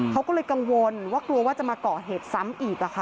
เขาก็เลยกังวลว่ากลัวว่าจะมาเกาะเหตุซ้ำอีก